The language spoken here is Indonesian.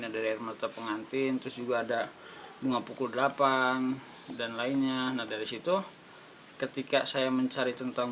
dari air mata pengantin terus juga ada bunga pukul delapan dan lainnya nah dari situ ketika saya mencari tentang